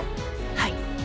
はい。